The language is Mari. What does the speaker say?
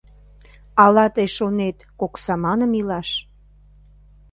Ала тый шонет кок саманым илаш